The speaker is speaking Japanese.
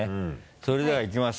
それではいきます！